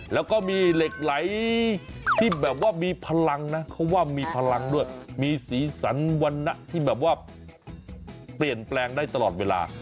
แล้วก็มีเหล็กไหลที่แบบว่ามีพลังนะเขาว่ามีพลังด้วยมีสีสันวรรณะที่แบบว่าเปลี่ยนแปลงได้ตลอดเวลา